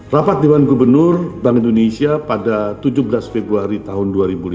rapat dewan gubernur bank indonesia pada tujuh belas februari tahun dua ribu lima belas